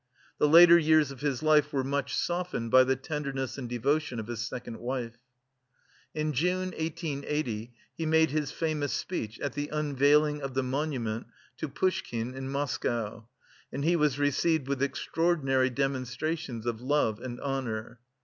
The later years of his life were much softened by the tenderness and devotion of his second wife. In June 1880 he made his famous speech at the unveiling of the monument to Pushkin in Moscow and he was received with extraordinary demonstrations of love and honour.